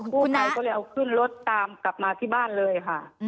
ผู้ภัยก็เลยเอาขึ้นรถตามกลับมาที่บ้านเลยค่ะ